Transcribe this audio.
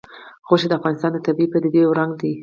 غوښې د افغانستان د طبیعي پدیدو یو رنګ دی.